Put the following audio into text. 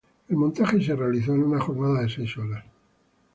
El montaje se realizó en una jornada de seis horas.